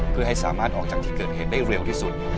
เพื่อให้สามารถออกจากที่เกิดเหตุได้เร็วที่สุด